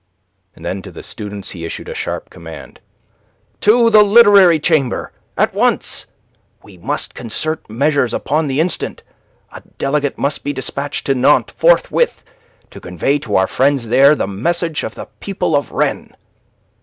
And then to the students he issued a sharp command. "To the Literary Chamber at once. We must concert measures upon the instant, a delegate must be dispatched to Nantes forthwith, to convey to our friends there the message of the people of Rennes."